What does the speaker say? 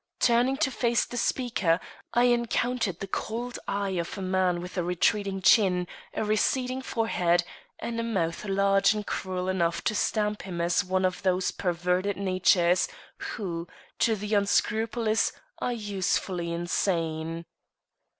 Turning to face the speaker, I encountered the cold eye of a man with a retreating chin, a receding forehead, and a mouth large and cruel enough to stamp him as one of those perverted natures who, to the unscrupulous, are usefully insane.